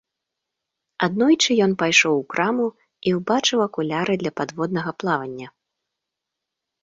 Аднойчы ён пайшоў у краму і ўбачыў акуляры для падводнага плавання.